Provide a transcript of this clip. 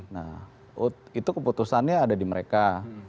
nah itu keputusannya ada di mereka